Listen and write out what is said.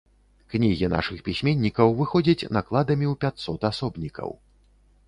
Кнігі нашых пісьменнікаў выходзяць накладамі ў пяцьсот асобнікаў.